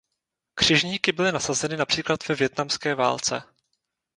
Křižníky byly nasazeny například ve vietnamské válce.